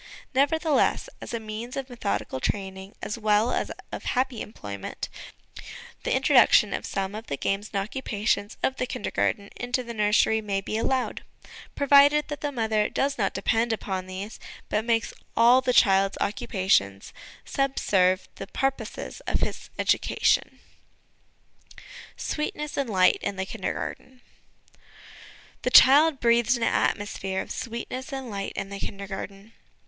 Nevertheless, as a means of methodical training, as well as of happy employment, the introduction of some of the games and occupations of the Kindergarten into the nursery may be allowed ; provided that the mother does not depend upon these, but makes all the child's occupations subserve the purposes of his education. ' Sweetness and Light ' in the Kindergarten. The child breathes an atmosphere of ' sweetness and light' in the Kindergarten.